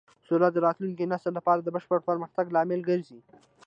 سوله د راتلونکي نسل لپاره د بشپړ پرمختګ لامل ګرځي.